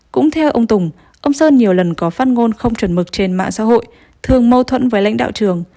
cũng theo ông tùng ông sơn nhiều lần có phát ngôn không chuẩn mực trên mạng xã hội thường mâu thuẫn với lãnh đạo trường